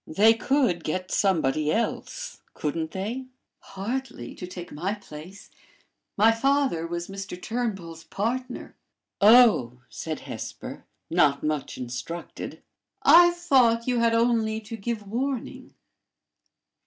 "They could get somebody else, couldn't they?" "Hardly, to take my place. My father was Mr. Turnbull's partner." "Oh!" said Hesper, not much instructed. "I thought you had only to give warning."